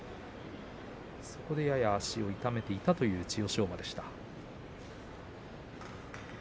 そこで、やや足を痛めていたという千代翔馬です。